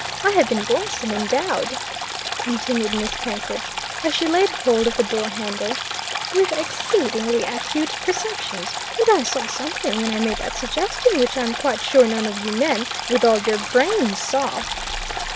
I have been blessed and endowed," continued Miss Penkridge, as she laid hold of the door handle, "with exceedingly acute perceptions, and I saw something when I made that suggestion which I'm quite sure none of you men, with all your brains, saw!"